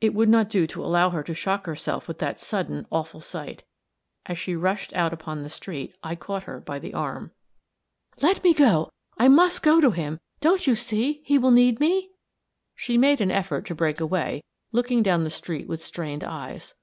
It would not do to allow her to shock herself with that sudden, awful sight. As she rushed out upon the street I caught her by the arm. "Let me go! I must go to him! Don't you see, he will need me?" She made an effort to break away, looking down the street with strained eyes.